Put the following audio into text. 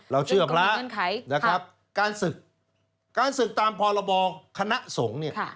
เราเชื่อพระนะครับการศึกการศึกตามพรบคณะสงฆ์เนี่ย